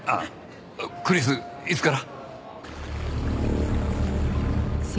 クリスいつから？